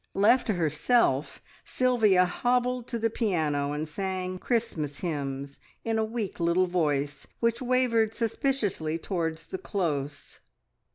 Left to herself, Sylvia hobbled to the piano and sang Christmas hymns in a weak little voice, which wavered suspiciously towards the close.